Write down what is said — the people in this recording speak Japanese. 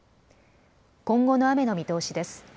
今後の雨の見通しです。